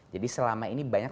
jadi selama ini banyak